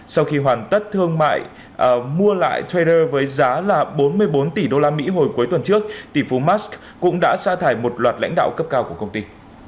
sau khi hoàn tất thương mại mua lại terr với giá là bốn mươi bốn tỷ usd hồi cuối tuần trước tỷ phú mas cũng đã xa thải một loạt lãnh đạo cấp cao của công ty